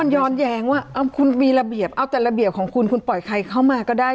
ย้อนแย้งว่าคุณมีระเบียบเอาแต่ระเบียบของคุณคุณปล่อยใครเข้ามาก็ได้